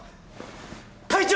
会長！